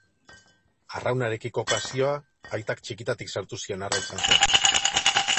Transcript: Arraunarekiko pasioa aitak txikitatik sartu zion harra izan zen.